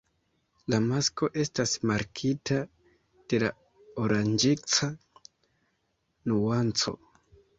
La masko estas markita de la oranĝeca nuanco.